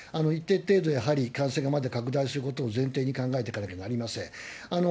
一定程度やはり感染がまだ拡大することを前提に考えてかなきゃなりません。